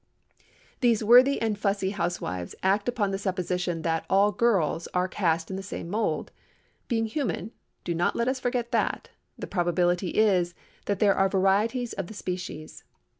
These worthy and fussy housewives act upon the supposition that all "girls" are cast in the same mould. Being human (do not let us forget that!), the probability is, that there are varieties of the species.